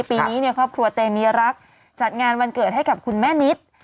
ปีนี้ครอบครัวเตมีรักจัดงานวันเกิดให้กับคุณแม่นิด